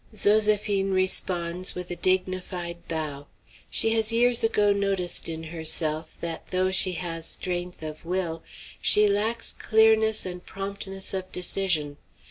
Zoséphine responds with a dignified bow. She has years ago noticed in herself, that, though she has strength of will, she lacks clearness and promptness of decision.